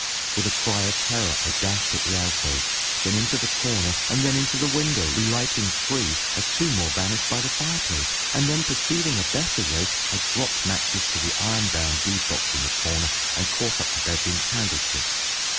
With a cry of terror I dashed at the alcove, then into the corner and then into the window, relighting three as two more vanished by the fireplace, and then, perceiving a better way, I dropped matches on the iron bound deedbox in the corner, and caught up the bedroom candlestick.